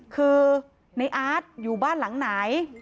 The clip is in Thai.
คือในอาร์ตอยู่บ้านหลังไหน